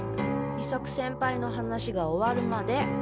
伊作先輩の話が終わるまで。